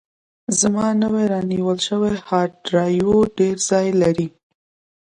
زما نوی رانیول شوی هارډ ډرایو ډېر ځای لري.